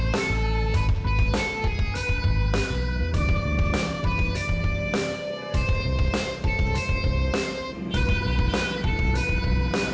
cantik juga tuh cewek